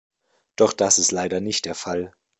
Doch das ist leider nicht der Fall.